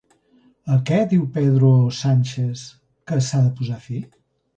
A què diu Pedro Sánchez que s'ha de posar fi?